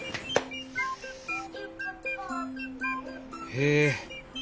へえ。